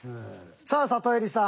さあサトエリさん。